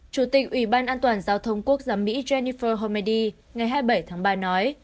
chủ tịch ủy ban an toàn giao thông quốc giám mỹ jennifer homedy ngày hai mươi bảy tháng ba nói